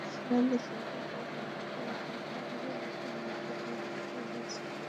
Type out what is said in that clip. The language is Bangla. সারা দেশে এখন পর্যন্ত প্রায় সাত হাজারেরও বেশি মানুষকে গ্রেপ্তার করা হয়েছে।